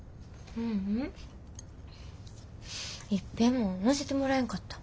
ううんいっぺんも乗せてもらえんかった。